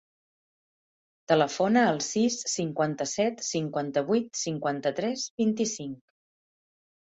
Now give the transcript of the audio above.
Telefona al sis, cinquanta-set, cinquanta-vuit, cinquanta-tres, vint-i-cinc.